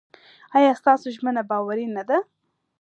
ایا ستاسو ژمنه باوري نه ده؟